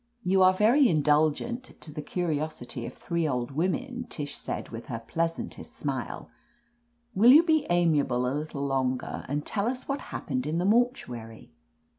^ "You are very indulgent to the curiosity of , three old women," Tish said with her pleasant est smile. "Will you be amiable a little longer, and tell us what happened in the mortuary